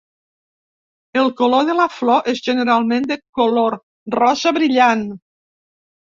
El color de la flor és generalment de color rosa brillant.